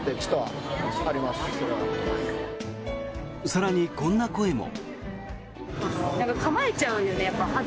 更に、こんな声も。